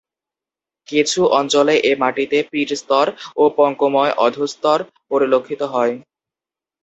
কিছু অঞ্চলে এ মাটিতে পিট স্তর ও পঙ্কময় অধঃস্তর পরিলক্ষিত হয়।